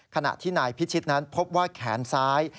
ขณะที่นายพิชิตนั้นพบว่าแขนซ้าย